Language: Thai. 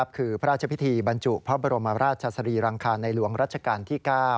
คือพระราชพิธีบรรจุพระบรมราชสรีรังคารในหลวงรัชกาลที่๙